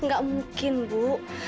gak mungkin bu